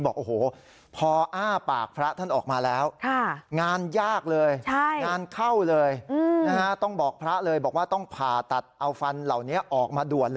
บอกโอ้โหพออ้าปาก